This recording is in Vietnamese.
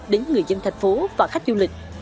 đến người dân thành phố và khách du lịch